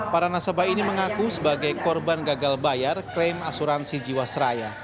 para nasabah ini mengaku sebagai korban gagal bayar klaim asuransi jiwasraya